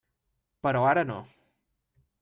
Però ara no.